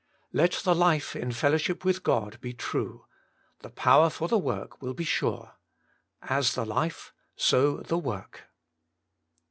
3. Let the life in fellowship with God be true ; the power for the work v. ill be sure. As the life, so the work.